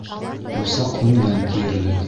Усаҡ һүнгән тиерлек.